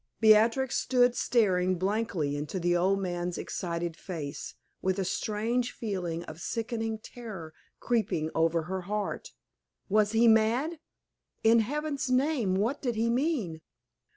Beatrix stood staring blankly into the old man's excited face, with a strange feeling of sickening terror creeping over her heart. Was he mad? In Heaven's name, what did he mean?